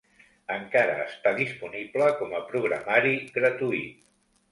Encara està disponible com a programari gratuït.